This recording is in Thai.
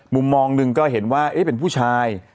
มุมมองหนึ่งก็เห็นว่าเป็นผู้ชาย